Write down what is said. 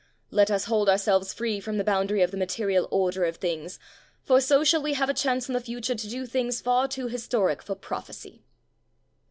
Let us hold ourselves free from the boundary of the material order of things, for so shall we have a chance in the future to do things far too historic for proph ecy."